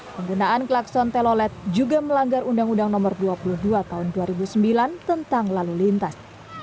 penggunaan klakson telolet juga melanggar undang undang nomor dua puluh dua tahun dua ribu sembilan tentang lalu lintas